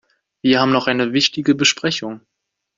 Wir haben noch eine wichtige Besprechung.